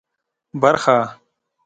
برخه